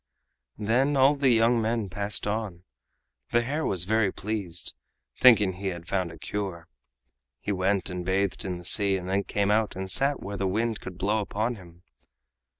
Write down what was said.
Then all the young men passed on. The hare was very pleased, thinking that he had found a cure. He went and bathed in the sea and then came out and sat where the wind could blow upon him.